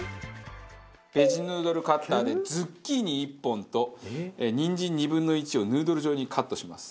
ベジヌードルカッターでズッキーニ１本とにんじん２分の１をヌードル状にカットします。